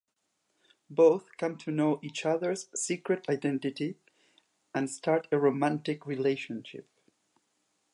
Both come to know each other's secret identity and start a romantic relationship.